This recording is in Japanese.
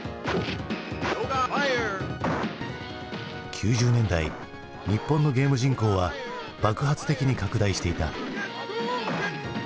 ９０年代日本のゲーム人口は爆発的に拡大していた。